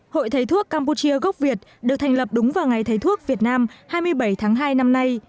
hội thầy thuốc campuchia gốc việt được thành lập đúng vào ngày thầy thuốc việt nam hai mươi bảy tháng hai năm nay